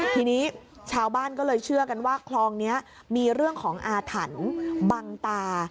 ทีนี้ชาวบ้านก็เลยเชื่อกันว่าคลองนี้มีเรื่องของอาถรรพ์บังตา